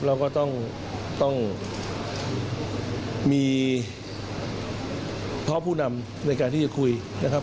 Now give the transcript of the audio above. เราก็ต้องมีพ่อผู้นำในการที่จะคุยนะครับ